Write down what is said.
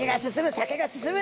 酒が進む！